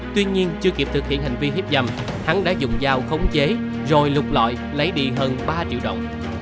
tuy nhiên chưa kịp thực hiện hành vi hiếp dâm hắn đã dùng dao khống chế rồi lục lọi lấy đi hơn ba triệu đồng